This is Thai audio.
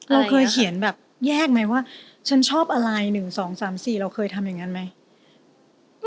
เราเคยเขียนแบบแยกไหมว่าฉันชอบอะไร๑๒๓๔เราเคยทำอย่างนั้นไหม